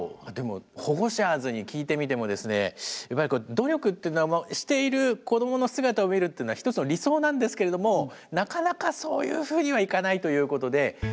でもホゴシャーズに聞いてみてもですね努力っていうのはしている子どもの姿を見るっていうのは一つの理想なんですけれどもなかなかそういうふうにはいかないということで。